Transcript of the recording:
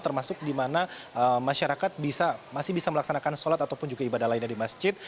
karena masyarakat masih bisa melaksanakan sholat ataupun juga ibadah lainnya di masjid